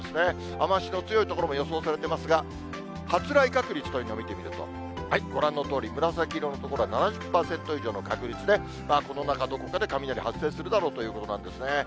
雨足の強い所も予想されていますが、発雷確率というのを見てみると、ご覧のとおり、紫色の所は７０％以上の確率で、この中、どこかで雷発生するだろうということなんですね。